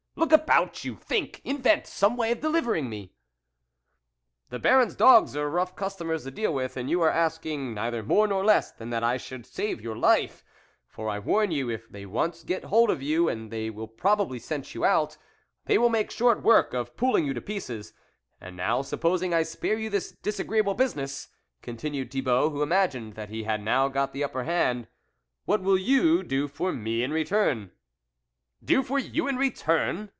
" Look about you, think, invent some way of delivering me !"" The Baron's dogs are rough customers to deal with, and you are asking neither more nor less than that I should save your life ; for I warn you, if they once get hold of you, and they will probably scent you out, they will make short work of pulling you to pieces. And now supposing I spare you this disagreeable business," continued Thibault, who imagined that he had now got the upper hand, "what will you do for me in return ?"" Do for you in return